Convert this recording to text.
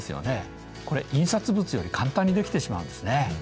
これ印刷物より簡単にできてしまうんですね。